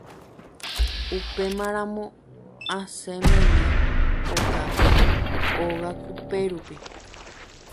upémaramo asẽmeme okápe ogakupérupi